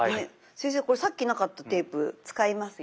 先生これさっきなかったテープ使いますよね？